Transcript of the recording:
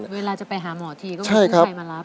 เวลาจะไปหาหมอทีก็ไม่มีใครมารับ